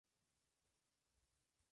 Hay árboles amarillos allí.